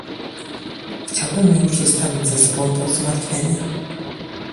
Chciałbym już zostawić za sobą to zmartwienie